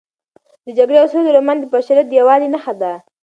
د جګړې او سولې رومان د بشریت د یووالي نښه ده.